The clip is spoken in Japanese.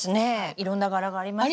いろんな柄がありますね。